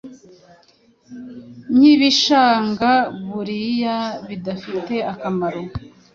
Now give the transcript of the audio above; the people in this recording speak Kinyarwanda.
nk’ibishanga buriya bidufitiye akamaro